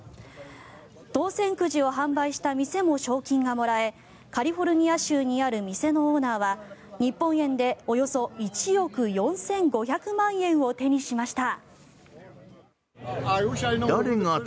当選くじを販売した店も賞金がもらえカリフォルニア州にある店のオーナーは日本円でおよそ１億４５００万円を手にしました。